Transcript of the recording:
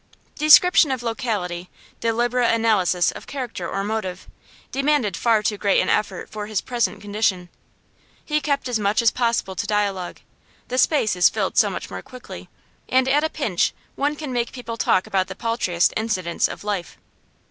Description of locality, deliberate analysis of character or motive, demanded far too great an effort for his present condition. He kept as much as possible to dialogue; the space is filled so much more quickly, and at a pinch one can make people talk about the paltriest incidents of life.